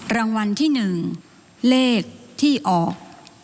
รางวัลที่หนึ่งเลขที่ออก